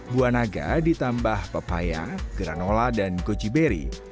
buah naga ditambah papaya granola dan goji berry